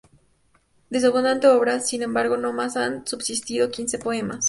De su abundante obra, sin embargo, no más han subsistido quince poemas.